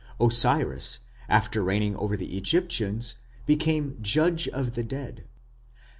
Osiris, after reigning over the Egyptians, became Judge of the Dead.